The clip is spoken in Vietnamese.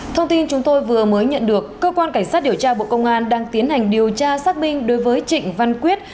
thông tin chúng tôi vừa mới nhận được cơ quan cảnh sát điều tra bộ công an đang tiến hành điều tra xác minh đối với trịnh văn quyết